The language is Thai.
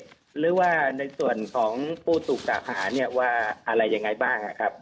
หรือว่าในส่วนของผู้สูตรสาขาว่าอะไรยังไงบ้างครับ